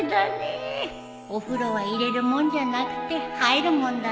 お風呂は入れるもんじゃなくて入るもんだね。